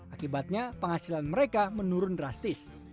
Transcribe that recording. akibatnya penghasilan mereka menurun drastis